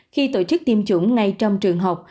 khi tổ chức tiêm chủng ngay trong trường học